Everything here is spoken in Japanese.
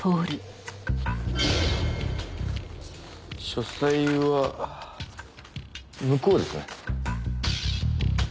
書斎は向こうですね。